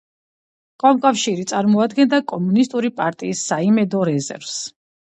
კომკავშირი წარმოადგენდა კომუნისტური პარტიის საიმედო რეზერვს.